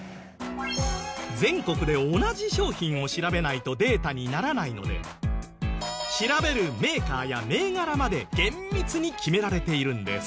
全国で同じ商品を調べないとデータにならないので調べるメーカーや銘柄まで厳密に決められているんです。